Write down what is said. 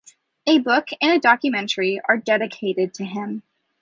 A book and a documentary are dedicated to him.